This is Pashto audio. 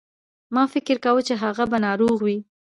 ما فکر کاوه چې هغه به ناروغ وي.